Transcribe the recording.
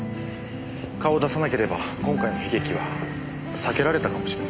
顔を出さなければ今回の悲劇は避けられたかもしれません。